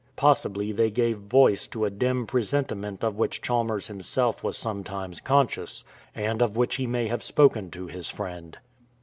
Possibly they gave voice to a dim presentiment of which Chalmers himself was sometimes conscious, and of which he may have spoken to his friend.